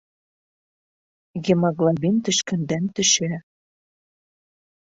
Гемоглобин төшкәндән-төшә!